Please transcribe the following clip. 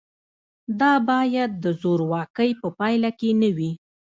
دا باید د زورواکۍ په پایله کې نه وي.